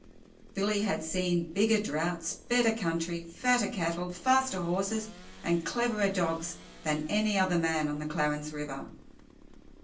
Billy had seen bigger droughts, better country, fatter cattle, faster horses, and cleverer dogs, than any other man on the Clarence River.